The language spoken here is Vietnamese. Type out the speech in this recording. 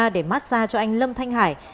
hai trăm linh ba để mát xa cho anh lâm thanh hải